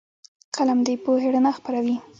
قلم د پوهې رڼا خپروي